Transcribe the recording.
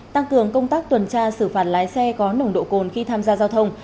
tăng cường công tác tuần tra xử phạt lái xe có nồng độ cồn khi tham gia giao thông